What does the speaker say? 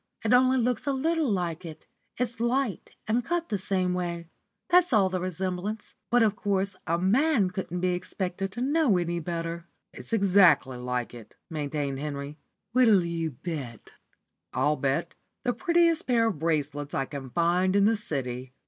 It only looks a little like it. It's light, and cut the same way; that's all the resemblance; but of course a man couldn't be expected to know any better." "It's exactly like it," maintained Henry. "What'll you bet?" "I'll bet the prettiest pair of bracelets I can find in the city."